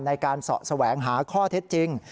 ในการเสาะแสวงหาข้อเท็จจริง